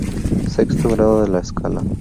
Sexto grado de la escala.